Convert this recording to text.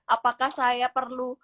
apakah saya perlu